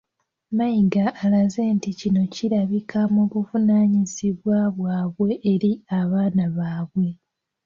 Mayiga alaze nti kino kirabikira mu buvunaanyizibwa bwabwe eri abaana baabwe.